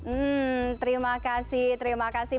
hmm terima kasih terima kasih